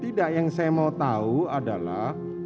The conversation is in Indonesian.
tidak yang saya mau tahu adalah